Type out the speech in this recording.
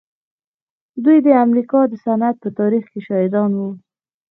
دوی د امريکا د صنعت په تاريخ کې شاهدان وو.